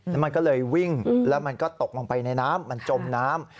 แล้วมันก็เลยวิ่งแล้วมันก็ตกลงไปในน้ำมันจมน้ำ